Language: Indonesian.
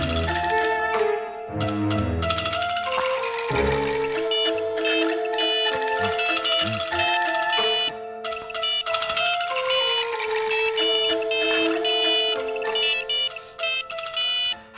kamu jangan diem aja